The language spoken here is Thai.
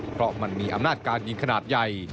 เพราะมันมีอำนาจการยิงขนาดใหญ่